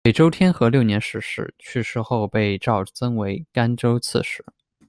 北周天和六年逝世，去世后被诏增为甘州刺史。